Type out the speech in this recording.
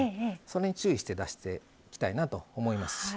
それに注意して出していきたいと思います。